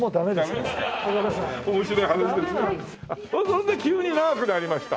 それで急に長くなりました。